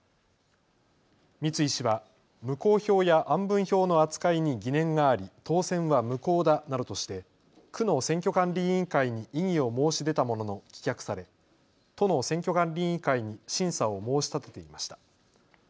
三井氏は無効票や案分票の扱いに疑念があり、当選は無効だなどとして区の選挙管理委員会に異議を申し出たものの棄却され都の選挙管理委員会に審査を申し立てていました。